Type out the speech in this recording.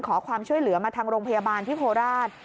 ขอความช่วยเหลือมาทางโรงพยาบาลที่โคราช